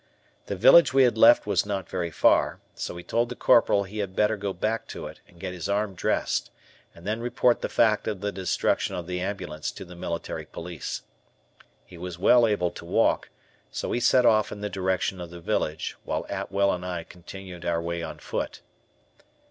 The village we had left was not very far, so we told the Corporal he had better go back to it and get his arm dressed, and then report the fact of the destruction of the ambulance to the military police. He was well able to walk, so he set off in the direction of the village, while Atwell and I continued our way on foot.